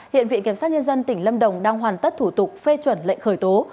hiện viện kiểm sát nhân dân tỉnh lâm đồng đang hoàn tất thủ tục phê chuẩn lệnh khởi tố